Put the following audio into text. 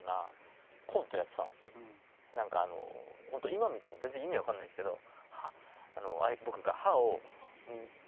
今見ても全然意味分かんないですけど。